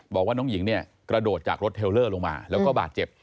บอกว่าน้องหญิงเนี่ยกระโดดจากรถเทลเลอร์ลงมาแล้วก็บาดเจ็บ